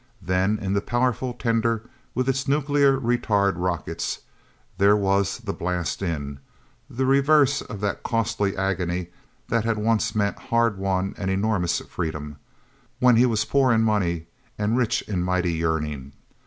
Then, in the powerful tender with its nuclear retard rockets, there was the Blast In the reverse of that costly agony that had once meant hard won and enormous freedom, when he was poor in money and rich in mighty yearning.